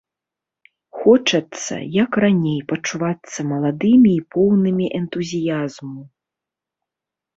Хочацца, як раней, пачувацца маладымі і поўнымі энтузіязму.